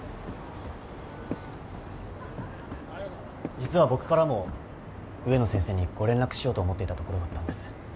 実は僕からも植野先生にご連絡しようと思っていたところだったんです。